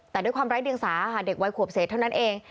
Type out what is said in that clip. แต่ด้วยความไร้เดียงสาค่ะเด็กวัยขวบเศษเท่านั้นเอง